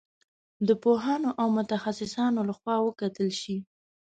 د پوهانو او متخصصانو له خوا وکتل شي.